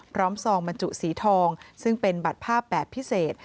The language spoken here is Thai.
ซองบรรจุสีทองซึ่งเป็นบัตรภาพแบบพิเศษ